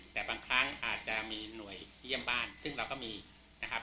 แต่บางครั้งอาจจะมีหน่วยเยี่ยมบ้านซึ่งเราก็มีนะครับ